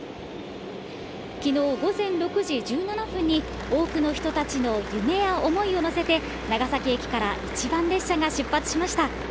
きのう午前６時１７分に、多くの人たちの夢や思いを乗せて、長崎駅から一番列車が出発しました。